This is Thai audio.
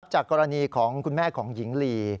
จากกรณีของคุณแม่ของหญิงลี